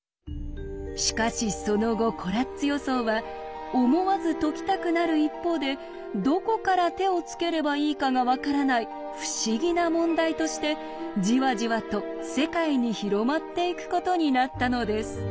しかしその後コラッツ予想は思わず解きたくなる一方でどこから手をつければいいかが分からない不思議な問題としてじわじわと世界に広まっていくことになったのです。